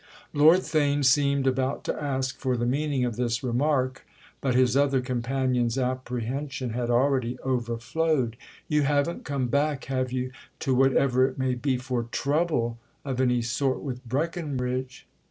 Lord Theign seemed about to ask for the meaning of this remark, but his other companion's apprehension had already overflowed. "You haven't come back, have you—to whatever it may be!—for trouble of any sort with Breckenridge?"